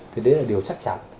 thì đấy là điều chắc chắn